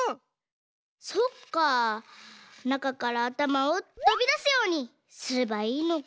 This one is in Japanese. そっかなかからあたまをとびだすようにすればいいのか。